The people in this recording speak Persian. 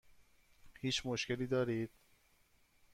هیچ مشکلی دارید؟